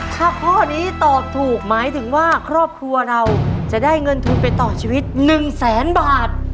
ถ้าข้อนี้ตอบถูกหมายถึงว่าครอบครัวเราจะได้เงินทุนไปต่อชีวิต๑แสนบาท